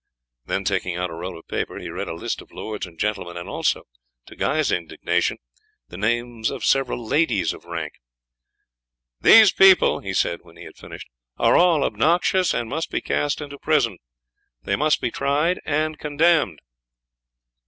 Then, taking out a roll of paper, he read a list of lords and gentlemen, and also, to Guy's indignation, the names of several ladies of rank. "These people," he said when he had finished, "are all obnoxious, and must be cast into prison. They must be tried and condemned."